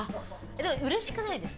うれしくないですか？